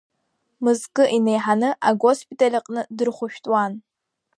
Мызкы инеиҳаны агоспиталь аҟны дырхәшәтәуан.